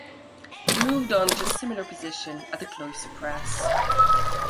He moved on to a similar position at the Cloister Press.